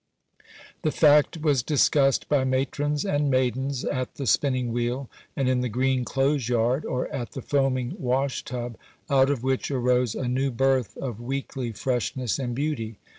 The fact was discussed by matrons and maidens at the spinning wheel and in the green clothes yard, or at the foaming wash tub, out of which arose a new birth of weekly freshness and beauty.